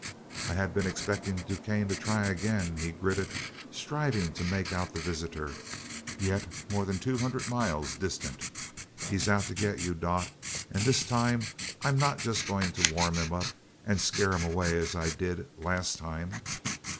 "I've been expecting DuQuesne to try it again," he gritted, striving to make out the visitor, yet more than two hundred miles distant. "He's out to get you, Dot and this time I'm not just going to warm him up and scare him away, as I did last time.